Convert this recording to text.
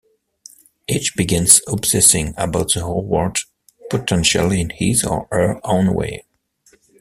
Each begins obsessing about the award potential in his or her own way.